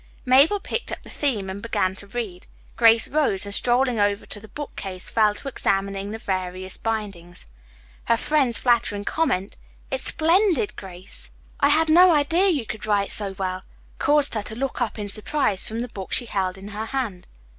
Mabel picked up the theme and began to read. Grace rose, and strolling over to the bookcase fell to examining the various bindings. Her friend's flattering comment, "It's splendid, Grace. I had no idea you could write so well," caused her to look up in surprise from the book she held in her hand.